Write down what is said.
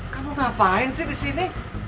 kamu ngapain sih disini